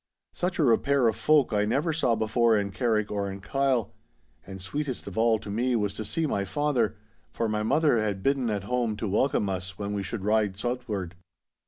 Such a repair of folk I never saw before in Carrick or in Kyle. And sweetest of all to me was to see my father, for my mother had bidden at home to welcome us when we should ride southward.